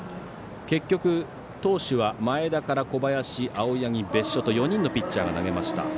結局、投手は前田から小林、青柳、別所と４人のピッチャーが投げました。